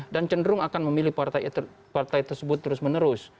dan cenderung akan memilih partai tersebut terus menerus